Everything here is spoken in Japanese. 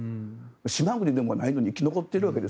島国でもないのに生き残ってるわけです。